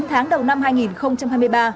chín tháng đầu năm hai nghìn hai mươi ba